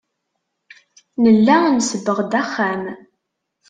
Nella nsebbeɣ-d axxam.